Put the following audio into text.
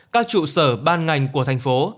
các trụ sở ban ngành của thành phố